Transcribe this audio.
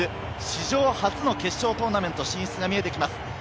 史上初の決勝トーナメント進出が見えてきます。